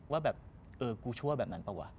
ว่าแบบเออกูชั่วแบบนั้นเปล่าวะ